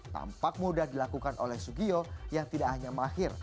tampak mudah dilakukan oleh sugio yang tidak hanya mahir